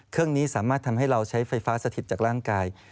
เครื่องนี้สามารถทำให้เราใช้ไฟฟ้าสถิตจากร่างกาย